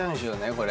これ。